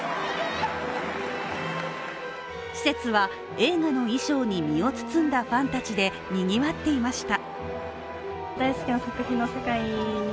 施設は、映画の衣装に身を包んだファンたちでにぎわっていました。